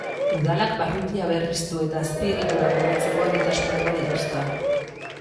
Udalak barrutia berriztu eta azpiegiturak hobetzeko egitasmo ugari dauzka.